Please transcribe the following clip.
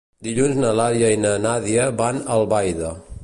Dilluns na Laia i na Nàdia van a Albaida.